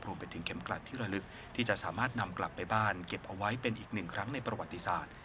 เข็มกลัดที่ระลึกที่จะสามารถนำกลับไปบ้านเก็บเอาไว้เป็นอีกหนึ่งครั้งในประวัติศาสตร์